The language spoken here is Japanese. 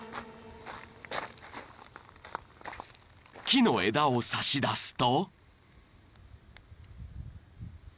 ［木の枝を差し出すと］